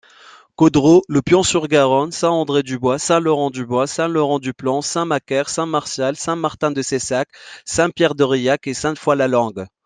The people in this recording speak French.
Caudrot, Le Pian-sur-Garonne, Saint-André-du-Bois, Saint-Laurent-du-Bois, Saint-Laurent-du-Plan, Saint-Macaire, Saint-Martial, Saint-Martin-de-Sescas, Saint-Pierre-d'Aurillac et Sainte-Foy-la-Longue.